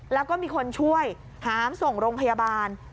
แล้วก็มีคนช่วยหามส่งโรงพยาบาล